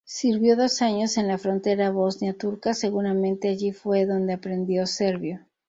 Sirvió dos años en la frontera bosnia- turca, seguramente allí fue donde aprendió serbio.